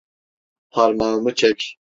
Parmağımı çek.